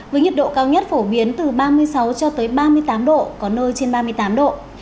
với nhiệt độ cao nhất phổ biến từ ba mươi sáu cho tới ba mươi tám độ có nơi trên ba mươi tám độ